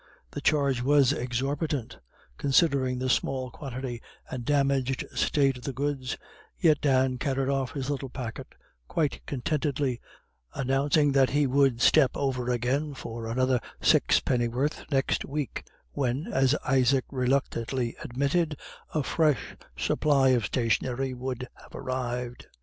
The charge was exorbitant, considering the small quantity and damaged state of the goods, yet Dan carried off his little packet quite contentedly, announcing that he would step over again for another sixpenn'orth next week, when, as Isaac reluctantly admitted, a fresh supply of stationery would have arrived.